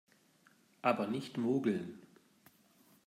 Aber nicht mogeln!